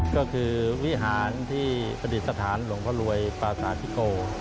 ก็คือวิหารที่ประดิษฐานหลวงพ่อรวยปราสาทธิโก